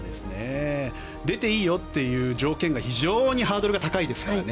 出ていいよという条件が非常にハードルが高いですから。